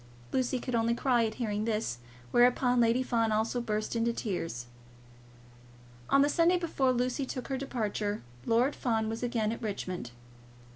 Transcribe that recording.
Lucy could only cry at hearing this; whereupon Lady Fawn also burst into tears. On the Sunday before Lucy took her departure, Lord Fawn was again at Richmond.